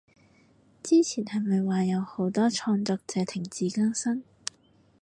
之前係咪話有好多創作者停止更新？